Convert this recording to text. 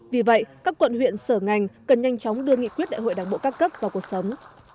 vì vậy các quận huyện sở ngành cần nhanh chóng đưa nghị quyết đại hội đảng bộ các cấp vào cuộc sống